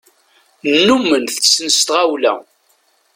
Nnumen tetten s tɣawla.